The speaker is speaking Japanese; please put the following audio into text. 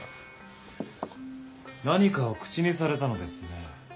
何かを口にされたのですね。